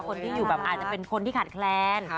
คนที่อยู่แบบอาจจะเป็นคนที่ขาดแคลน